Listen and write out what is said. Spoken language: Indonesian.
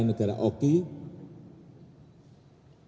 dan negara negara indonesia